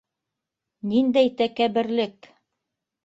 Ниндәй тәкәбберлек!